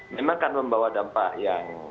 memang akan membawa dampak yang